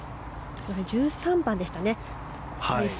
１３番でしたね。